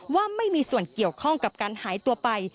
ว่าไม่มีส่วนเกี่ยวข้องกับการหายตัวไป